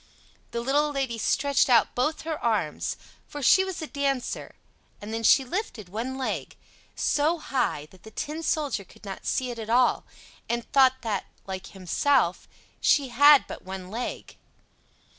The little Lady stretched out both her arms, for she was a dancer, and then she lifted one leg so high that the Tin Soldier could not see it at all, and thought that, like himself, she had but one leg.